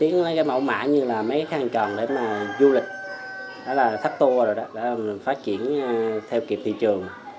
mình cải tiến cái mẫu mã như là mấy khăn tròn để mà du lịch đó là thắt tua rồi đó để phát triển theo kiệp thị trường